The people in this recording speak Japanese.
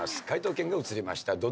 解答権が移りました。